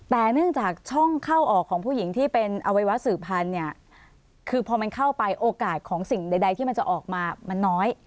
แต่เนื่องจากช่องเข้าออกของผู้หญิงที่เป็นอวัยวะสื่อพันธุ์เนี่ยคือพอมันเข้าไปโอกาสของสิ่งใดที่มันจะออกมามันน้อย